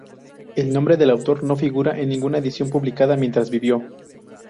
El nombre del autor no figura en ninguna edición publicada mientras vivió.